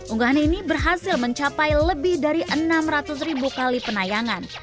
unggahan ini berhasil mencapai lebih dari enam ratus ribu kali penayangan